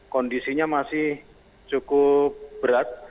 kondisinya masih cukup berat